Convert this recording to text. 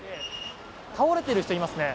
倒れている人がいます。